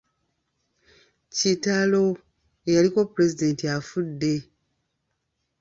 Kitalo ayaliko Pulezidenti afudde!